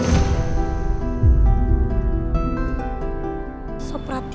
kenapa belum sampai